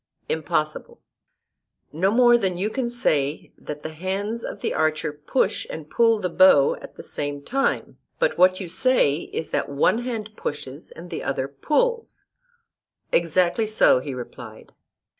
Impossible. No more than you can say that the hands of the archer push and pull the bow at the same time, but what you say is that one hand pushes and the other pulls. Exactly so, he replied.